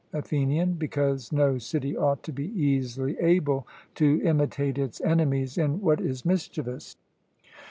ATHENIAN: Because no city ought to be easily able to imitate its enemies in what is mischievous.